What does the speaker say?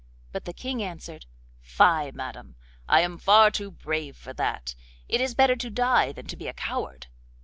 But the King answered: 'Fie, madam! I am far too brave for that. It is better to die than to be a coward.